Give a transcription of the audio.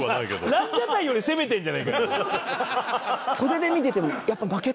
ランジャタイより攻めてんじゃないかよ。